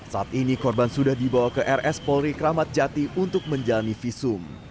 saat ini korban sudah dibawa ke rs polri kramat jati untuk menjalani visum